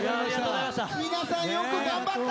皆さんよく頑張った！